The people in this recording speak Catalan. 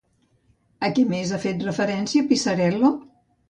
A què més ha fet referència Pisarello?